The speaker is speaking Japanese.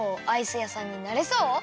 アイス屋さんになれそう？